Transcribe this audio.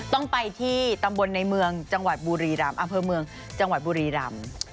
ต้องไปที่ตำบลในเมืองจังหวัดบุรีรำอำเภอเมืองจังหวัดบุรีรำ